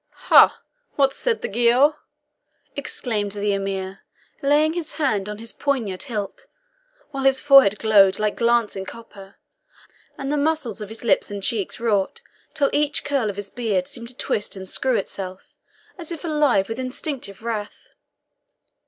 "Ha! what said the Giaour?" exclaimed the Emir, laying his hand on his poniard hilt, while his forehead glowed like glancing copper, and the muscles of his lips and cheeks wrought till each curl of his beard seemed to twist and screw itself, as if alive with instinctive wrath.